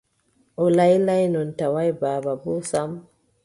O laylanyoy, tawaay baaba boo sam ;